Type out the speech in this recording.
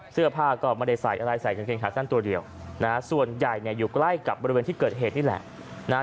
เสื้อผ้าก็ไม่ได้ใส่อะไรใส่กางเกงขาสั้นตัวเดียวนะฮะส่วนใหญ่เนี่ยอยู่ใกล้กับบริเวณที่เกิดเหตุนี่แหละนะฮะ